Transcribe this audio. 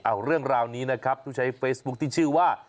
เอาเรื่องราวนี้นะครับผู้ใช้เฟซบุ๊คที่ชื่อว่า